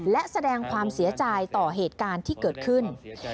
และแสดงความเสียใจต่อเหตุการณ์ที่เกิดขึ้น